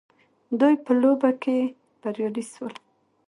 دوی په لوبه کي بريالي سول